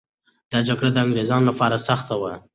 دا جګړه د انګریزانو لپاره سخته وه.